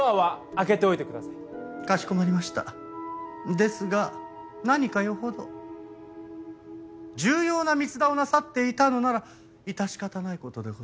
ですが何か余程重要な密談をなさっていたのなら致し方ない事でございます。